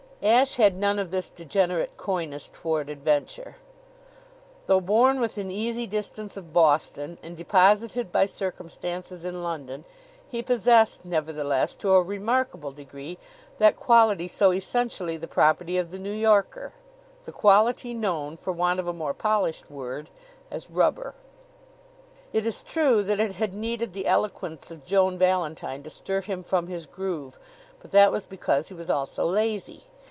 Ashe had none of this degenerate coyness toward adventure. Though born within easy distance of Boston and deposited by circumstances in London, he possessed, nevertheless, to a remarkable degree, that quality so essentially the property of the New Yorker the quality known, for want of a more polished word, as rubber. It is true that it had needed the eloquence of Joan Valentine to stir him from his groove; but that was because he was also lazy.